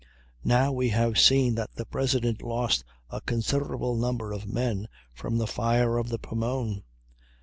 Now we have seen that the President lost "a considerable number" of men from the fire of the Pomone.